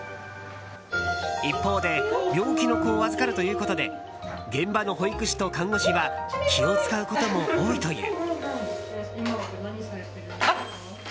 一方で病気の子を預かるということで現場の保育士と看護師は気を使うことも多いという。